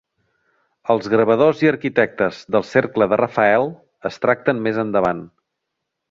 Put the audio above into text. Els gravadors i arquitectes del cercle de Rafael es tracten més endavant.